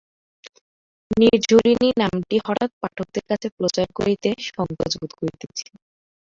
নির্ঝরিণী নামটি হঠাৎ পাঠকদের কাছে প্রচার করিতে সংকোচবোধ করিতেছি।